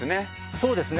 そうですね